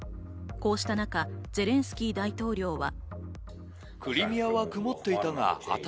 こうした中、ゼレンスキー大統領は。